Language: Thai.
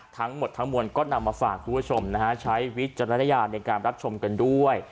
ทั้งหมดทั้งมวลก็นำมาฝากคุณผู้ชมนะฮะใช้วิจารณญาณในการรับชมกันด้วย